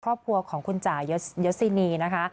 ครอบครัวของคุณจ่ายยศินีนะคะ